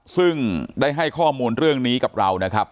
ซึ่งได้ให้ข้อมูลเรื่องนี้กับเรานะครับ